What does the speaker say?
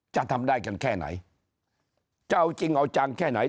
จะทำได้กันแค่ไหนจะเอาจริงเอาจังแค่ไหน